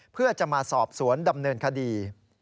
เพื่อจะมาสอบสวนดำเนินคดี